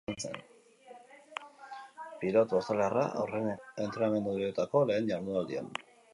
Pilotu australiarra aurreneko postuan sailkatu da entrenamendu libreetako lehen jardunaldian.